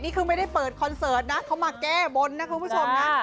คือไม่ได้เปิดคอนเสิร์ตนะเขามาแก้บนนะคุณผู้ชมนะ